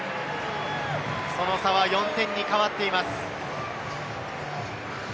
その差は４点に変わっています。